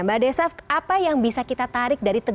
mbak desaf apa yang bisa kita tarik dari teguran